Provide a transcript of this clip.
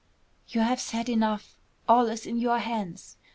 "You have said enough. All is in your hands.